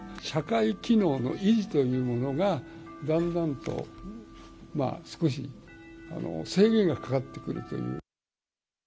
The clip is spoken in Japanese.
社会機能の維持というものが、だんだんと少し制限がかかってくるという。